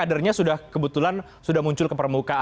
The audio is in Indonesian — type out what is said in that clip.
oh tidak sauce